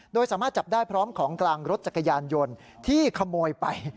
โดยสามารถจับได้พร้อมของกลางรถจักรยานยนต์ที่ขโมยไป